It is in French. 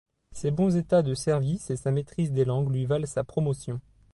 Ses bons états de services et sa maîtrise des langues lui valent sa promotion.